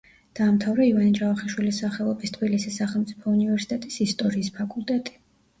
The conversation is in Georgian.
დაამთავრა ივანე ჯავახიშვილის სახელობის თბილისის სახელმწიფო უნივერსიტეტის ისტორიის ფაკულტეტი.